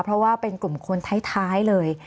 เพราะว่าเป็นกลุ่มคนท้ายเลย